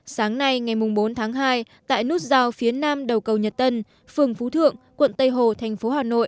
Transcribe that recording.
sáng nay ngày bốn tháng hai tại nút rào phía nam đầu cầu nhật tân phường phú thượng quận tây hồ